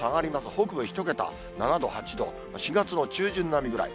北部１桁、７度、８度、４月の中旬並みぐらい。